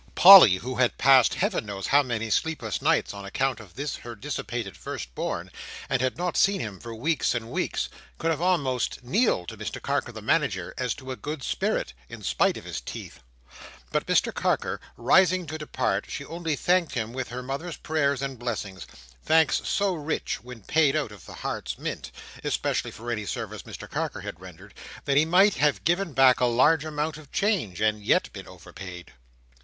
Polly, who had passed Heaven knows how many sleepless nights on account of this her dissipated firstborn, and had not seen him for weeks and weeks, could have almost kneeled to Mr Carker the Manager, as to a Good Spirit—in spite of his teeth. But Mr Carker rising to depart, she only thanked him with her mother's prayers and blessings; thanks so rich when paid out of the Heart's mint, especially for any service Mr Carker had rendered, that he might have given back a large amount of change, and yet been overpaid.